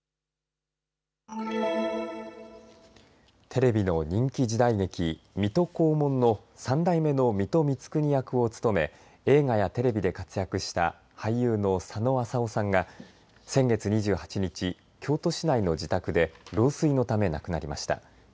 テレビの人気時代劇、水戸黄門の３代目の水戸光圀役を務め映画やテレビで活躍した俳優の佐野浅夫さんが先月２８日、京都市内の自宅で老衰のため亡くなりました。